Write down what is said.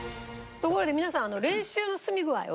ところで皆さん。